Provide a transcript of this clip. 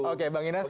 oke bang ines